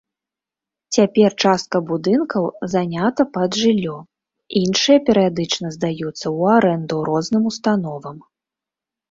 Цяпер частка будынкаў занята пад жыллё, іншыя перыядычна здаюцца ў арэнду розным установам.